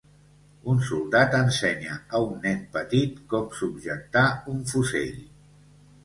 Un soldat ensenya a un nen petit com subjectar un fusell